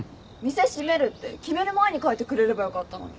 店閉めるって決める前に書いてくれればよかったのに。